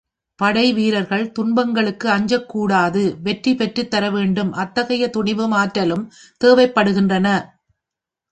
படைவீரர்கள் துன்பங்களுக்கு அஞ்சக் கூடாது வெற்றி பெற்றுத் தரவேண்டும், அத்தகைய துணிவும் ஆற்றலும் தேவைப்படுகின்றன.